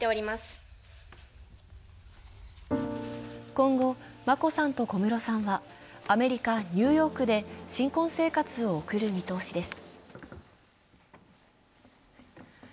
今後、眞子さんと小室さんはアメリカ・ニューヨークで新婚生活を送る見通しです。